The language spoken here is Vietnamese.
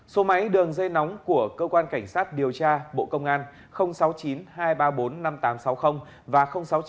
số máy đường dây nóng của cơ quan cảnh sát điều tra bộ công an sáu mươi chín hai trăm ba mươi bốn năm nghìn tám trăm sáu mươi và sáu mươi chín hai trăm ba mươi một một nghìn sáu trăm